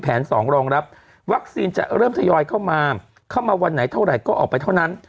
สองรองรับวัคซีนจะเริ่มทยอยเข้ามาเข้ามาวันไหนเท่าไหร่ก็ออกไปเท่านั้น